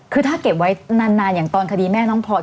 คือถ้าเก็บไว้นานอย่างตอนคดีแม่น้องพลอย